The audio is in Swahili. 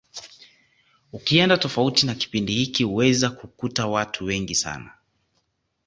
Ukienda tofauti na kipindi hiki huwezi kukuta watu wengi sana